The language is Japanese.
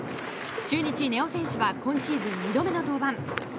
中日、根尾選手は今シーズン２度目の登板。